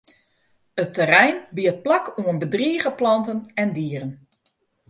It terrein biedt plak oan bedrige planten en dieren.